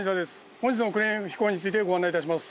本日の訓練飛行についてご案内いたします。